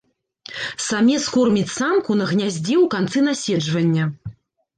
Самец корміць самку на гняздзе ў канцы наседжвання.